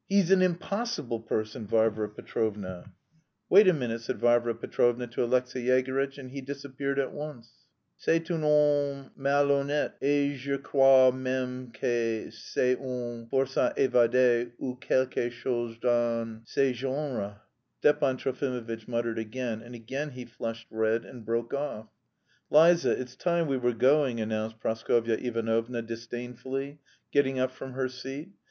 he's an impossible person, Varvara Petrovna!" "Wait a moment," said Varvara Petrovna to Alexey Yegorytch, and he disappeared at once. "C'est un homme malhonnête et je crois même que c'est un forçat evadé ou quelque chose dans ce genre," Stepan Trofimovitch muttered again, and again he flushed red and broke off. "Liza, it's time we were going," announced Praskovya Ivanovna disdainfully, getting up from her seat.